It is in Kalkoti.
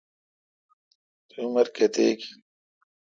تی عمر کیتیک این۔